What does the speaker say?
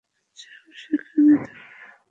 Jazz সেখানে থাকে।